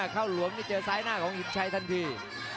เข้าหลวงนี่เจอซ้ายหน้าของหินชัยทันที